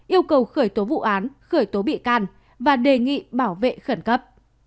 yêu cầu khởi tố vụ án khởi tố bị can và đề nghị bảo vệ khẩn cấp